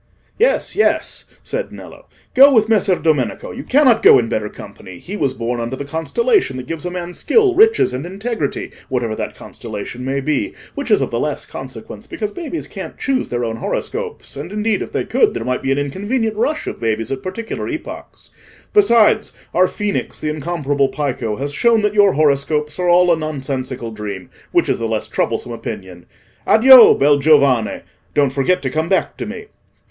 "Yes, yes," said Nello, "go with Messer Domenico, you cannot go in better company; he was born under the constellation that gives a man skill, riches, and integrity, whatever that constellation may be, which is of the less consequence because babies can't choose their own horoscopes, and, indeed, if they could, there might be an inconvenient rush of babies at particular epochs. Besides, our Phoenix, the incomparable Pico, has shown that your horoscopes are all a nonsensical dream—which is the less troublesome opinion. Addio! bel giovane! don't forget to come back to me."